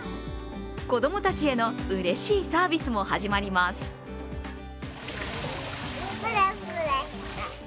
子供たちへのうれしいサービスも始まります。